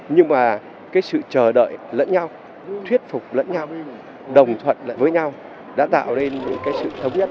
nhưng mà cái sự chờ đợi lẫn nhau thuyết phục lẫn nhau đồng thuận lại với nhau đã tạo nên những cái sự thống nhất